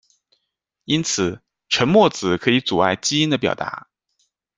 因此，沉默子可以阻碍基因的表达。